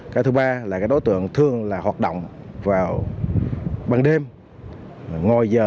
cái thứ ba là cái đối tượng thường là hoạt động vào ban đêm ngồi giờ